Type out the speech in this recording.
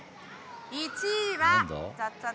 １位は。